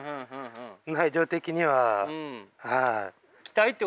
内情的にははい。